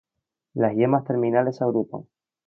Las yemas terminales se agrupan.